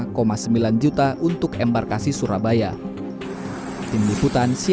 dimana biaya haji termurah untuk embarkasi aceh sebesar empat puluh empat tiga juta rupiah dan termahal sebesar lima juta rupiah